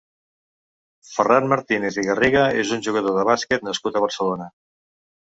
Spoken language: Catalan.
Ferran Martínez i Garriga és un jugador de bàsquet nascut a Barcelona.